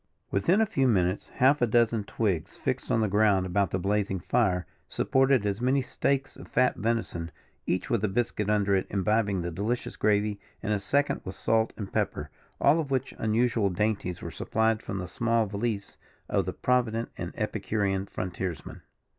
Within a few minutes, half a dozen twigs, fixed in the ground about the blazing fire, supported as many steaks of fat venison, each with a biscuit under it imbibing the delicious gravy, and a second with salt and pepper, all of which unusual dainties were supplied from the small valise of the provident and epicurean frontiers man.